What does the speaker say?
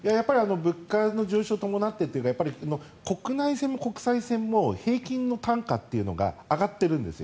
物価の上昇に伴って国内線も国際線も平均の単価というのが上がってるんです。